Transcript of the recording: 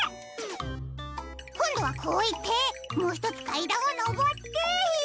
こんどはこういってもうひとつかいだんをのぼって。